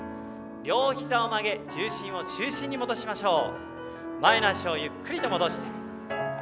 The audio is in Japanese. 両ひざを曲げ重心を中心に戻しましょう。